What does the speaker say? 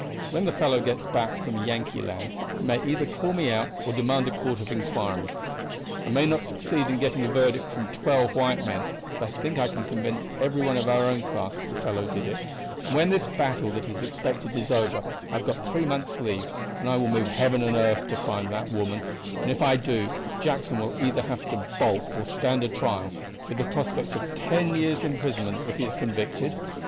When the fellow gets back from Yankee land he may either call me out or demand a court of inquiry. I may not succeed in getting a verdict from twelve white men, but I think I can convince every one of our own class that the fellow did it; and when this battle that is expected is over I have got three months' leave, and I will move heaven and earth to find the woman; and if I do, Jackson will either have to bolt or stand a trial, with the prospect of ten years' imprisonment if he is convicted.